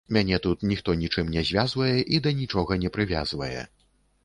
Мяне тут ніхто нічым не звязвае і да нічога не прывязвае.